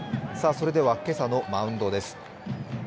それでは今朝のマウンドです。